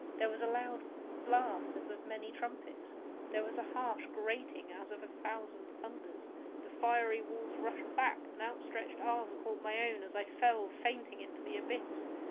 There was a loud blast as of many trumpets! There was a harsh grating as of a thousand thunders! The fiery walls rushed back! An outstretched arm caught my own as I fell, fainting, into the abyss.